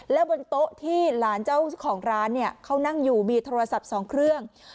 แล้วบนโต๊ะที่หลานเจ้าของร้านเนี่ยเขานั่งอยู่มีโทรศัพท์๒เครื่อง